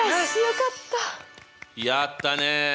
やったね。